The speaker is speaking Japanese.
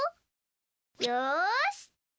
よし！